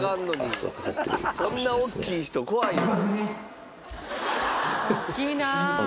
こんな大きい人怖いよ。